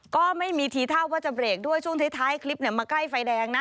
ก็ไม่มีทีท่าว่าจะเบรกด้วยช่วงท้ายคลิปมาใกล้ไฟแดงนะ